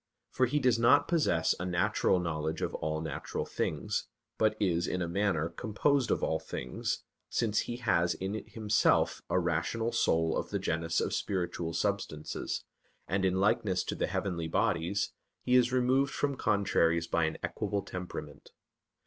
For he does not possess a natural knowledge of all natural things, but is in a manner composed of all things, since he has in himself a rational soul of the genus of spiritual substances, and in likeness to the heavenly bodies he is removed from contraries by an equable temperament.